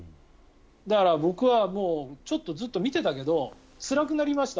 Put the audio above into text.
だから、僕はちょっとずっと見てたけどつらくなりました、